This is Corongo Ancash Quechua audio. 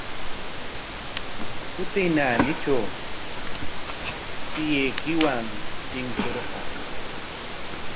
Tutay naanitraw tiyuykiwan tinkurqaa.